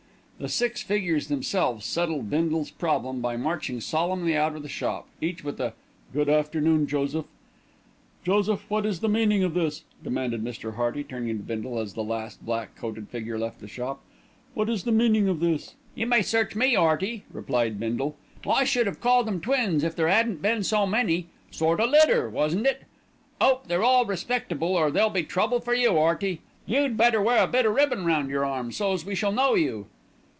The six figures themselves settled Bindle's problem by marching solemnly out of the shop, each with a "Good afternoon, Joseph." "Joseph, what is the meaning of this?" demanded Mr. Hearty, turning to Bindle as the last black coated figure left the shop. "What is the meaning of this?" "You may search me, 'Earty," replied Bindle. "I should 'ave called 'em twins, if there 'adn't been so many. Sort o' litter, wasn't it? 'Ope they're all respectable, or there'll be trouble for you, 'Earty. You'd better wear a bit o' ribbon round your arm, so's we shall know you."